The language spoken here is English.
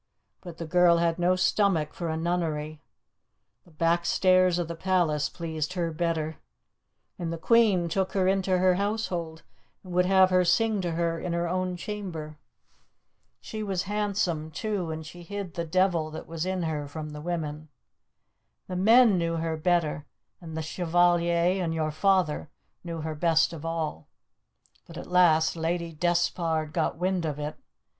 But the girl had no stomach for a nunnery; the backstairs of the palace pleased her better, and the Queen took her into her household, and would have her sing to her in her own chamber. She was handsome, too, and she hid the devil that was in her from the women. The men knew her better, and the Chevalier and your father knew her best of all. But at last Lady Despard got wind of it.